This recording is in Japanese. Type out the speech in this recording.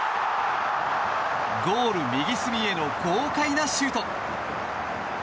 ゴール右隅への豪快なシュート。